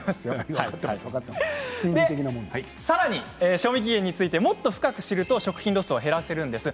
さらに賞味期限についてさらに深く知ると食品ロスが減らせるんです。